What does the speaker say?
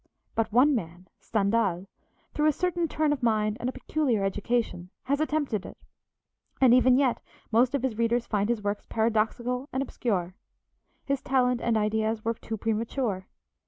But one man, Stendhal, through a certain turn of mind and a peculiar education, has attempted it, and even yet most of his readers find his works paradoxical and obscure. His talent and ideas were too premature.